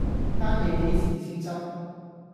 間野幾時先執